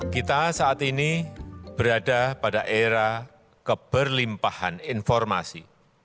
kita saat ini berada pada era keberlimpahan informasi